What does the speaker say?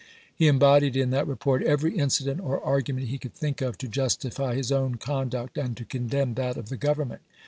He embodied in that report every incident or argument he could think of to justify his own conduct and to condemn that of the Government.